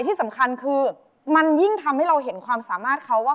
ที่สำคัญคือมันยิ่งทำให้เราเห็นความสามารถเขาว่า